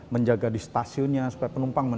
menjaga di stasiunnya supaya penumpang